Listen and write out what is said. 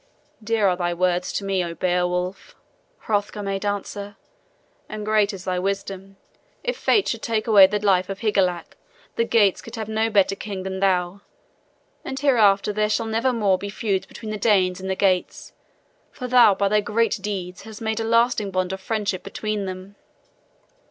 "Dear are thy words to me, O Beowulf," Hrothgar made answer, "and great is thy wisdom. If Fate should take away the life of Higelac, the Geats could have no better king than thou; and hereafter there shall never more be feuds between the Danes and the Geats, for thou by thy great deeds hast made a lasting bond of friendship between them."